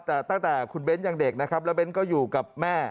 แต่ตั้งแต่คุณเบ้นยังเด็กนะครับแล้วเบ้นก็อยู่กับแม่